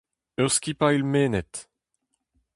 Ur skipailh mennet.